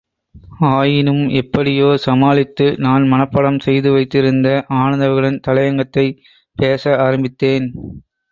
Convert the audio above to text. ஆயினும் எப்படியோ சமாளித்து, நான் மனப்பாடம் செய்து வைத்திருந்த ஆனந்தவிகடன் தலையங்கத்தைப் பேச ஆரம்பித்தேன்.